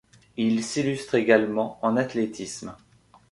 Il s'illustre également en athlétisme.